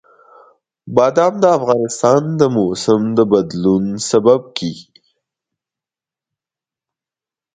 بادام د افغانستان د موسم د بدلون سبب کېږي.